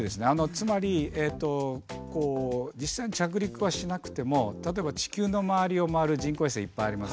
つまり実際に着陸はしなくても例えば地球の周りを回る人工衛星いっぱいありますよね。